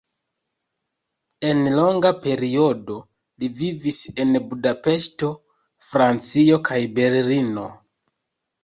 En longa periodo li vivis en Budapeŝto, Francio kaj Berlino.